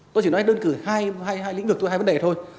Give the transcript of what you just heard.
tôi chỉ nói đơn cử hai lĩnh vực tôi hai vấn đề thôi